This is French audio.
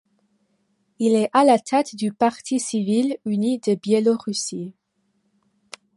Il est à la tête du Parti civil uni de Biélorussie.